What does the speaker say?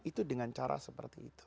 itu dengan cara seperti itu